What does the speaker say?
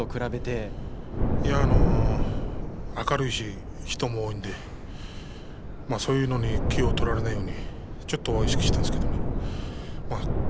明るいし、人も多いのでそういうのに気を取られないようにちょっと意識してますけどね。